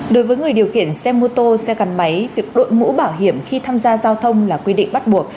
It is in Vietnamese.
đối với người điều khiển xe mô tô xe gắn máy việc đội mũ bảo hiểm khi tham gia giao thông là quy định bắt buộc